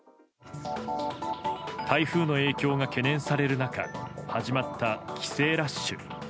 台風の影響が懸念される中始まった、帰省ラッシュ。